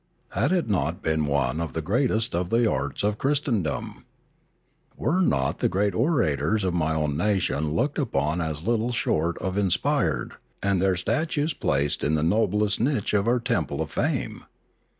Had it not been one of the greatest of the arts of Christendom ? Were not the great orators of my own nation looked upon as little short of inspired, and their statues placed in the noblest niche of our temple of fame